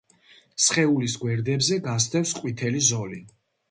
სხეულის გვერდებზე გასდევს ყვითელი ზოლი.